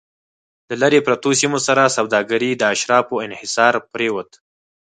له لرې پرتو سیمو سره سوداګري د اشرافو انحصار پرېوته